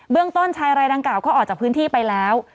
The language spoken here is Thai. ต้นชายรายดังกล่าก็ออกจากพื้นที่ไปแล้ว